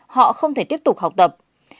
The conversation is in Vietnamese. họ không thể tiếp tục học tập